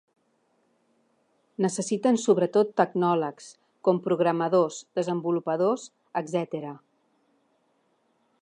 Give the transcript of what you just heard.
Necessiten sobretot tecnòlegs, com programadors, desenvolupadors, etcètera.